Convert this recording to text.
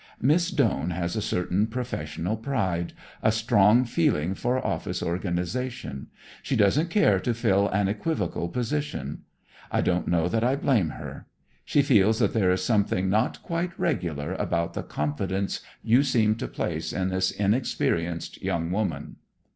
"Miss Doane has a certain professional pride; a strong feeling for office organization. She doesn't care to fill an equivocal position. I don't know that I blame her. She feels that there is something not quite regular about the confidence you seem to place in this inexperienced young woman."